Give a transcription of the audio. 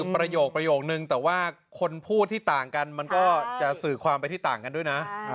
ประโยคประโยคนึงแต่ว่าคนพูดที่ต่างกันมันก็จะสื่อความไปที่ต่างกันด้วยนะ